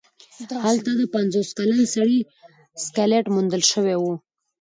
هلته د پنځوس کلن سړي سکلیټ موندل شوی و.